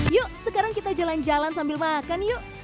yuk sekarang kita jalan jalan sambil makan yuk